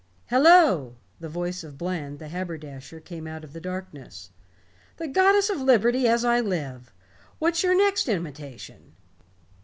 "Hello," the voice of Bland, the haberdasher, came out of the blackness. "The Goddess of Liberty, as I live! What's your next imitation?"